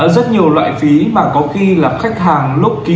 rất nhiều loại phí mà có khi là khách hàng lúc kia